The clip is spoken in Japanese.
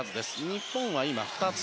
日本は今２つ。